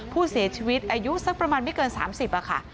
ผู้เสียชีวิตอายุสักประมาณไม่เกิน๓๐ค่ะ